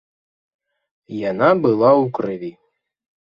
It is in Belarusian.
Яна была ў крыві.